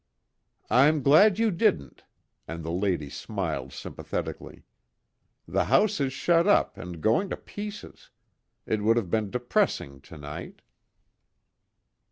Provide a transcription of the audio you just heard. "I'm glad you didn't," and the lady smiled sympathetically. "The house is shut up and going to pieces. It would have been depressing to night."